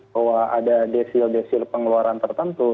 bahwa ada desil desil pengeluaran tertentu